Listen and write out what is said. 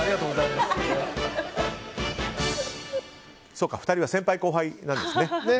そうか、２人は先輩後輩なんですね。